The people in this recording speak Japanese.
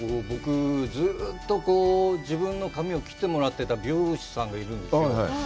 僕ずっと自分の髪を切ってもらってた美容師さんがいるんですよ。